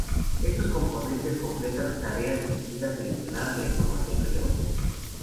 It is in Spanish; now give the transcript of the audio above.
Estos componentes completan tareas que implican seleccionar la información relevante.